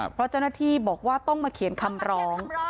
เพราะเจ้าหน้าที่บอกว่าต้องมาเขียนคำร้อง